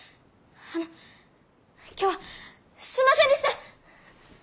あの今日はすんませんでした！